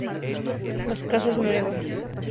Las casas-cueva son típicas de Petrel.